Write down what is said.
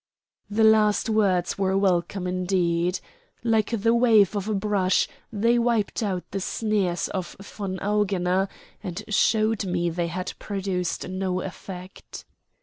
The last words were welcome indeed. Like the wave of a brush, they wiped out the sneers of von Augener, and showed me they had produced no effect.